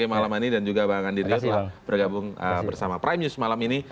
terima kasih malam ini dan juga bang andir dias telah bergabung bersama prime news malam ini